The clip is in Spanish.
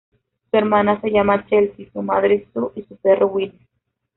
Su hermana se llama Chelsea, su madre Sue y su perro Willis.